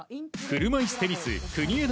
車いすテニス国枝